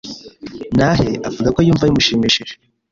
Ntahe avuga ko yumva bimushimishije